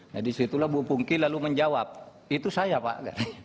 nah disitulah bu pungki lalu menjawab itu saya pak